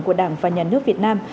của đảng và nhà nước việt nam